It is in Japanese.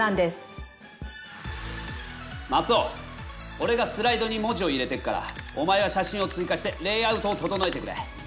おれがスライドに文字を入れていくからお前は写真を追加してレイアウトを整えてくれ。